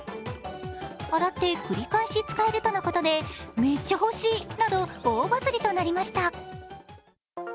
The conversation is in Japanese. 洗って繰り返し使えるとのことで、めっちゃ欲しいなど大バズりとなりました。